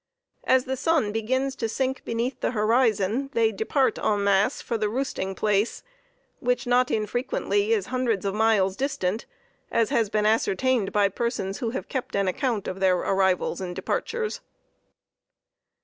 As the sun begins to sink beneath the horizon, they depart en masse for the roosting place, which not infrequently is hundreds of miles distant, as has been ascertained by persons who have kept an account of their arrivals and departures.